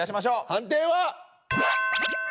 判定は。